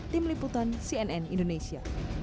tim liputan cnn indonesia